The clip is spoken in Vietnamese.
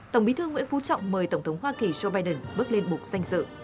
tổng bí thư nguyễn phú trọng mời tổng thống hoa kỳ joe biden bước lên bục danh dự